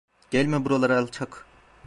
Gelme buralara alçak…